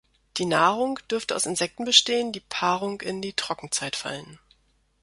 Die Nahrung dürfte aus Insekten bestehen, die Paarung in die Trockenzeit fallen.